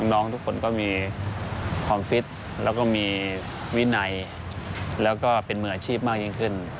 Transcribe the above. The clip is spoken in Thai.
น้องทุกคนก็มีความฟิตแล้วก็มีวินัยแล้วก็เป็นมืออาชีพมากยิ่งขึ้น